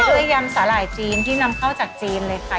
ยำสาหร่ายจีนที่นำเข้าจากจีนเลยค่ะ